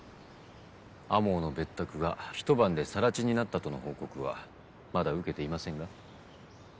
天羽の別宅が一晩で更地になったとの報告はまだ受けていませんが？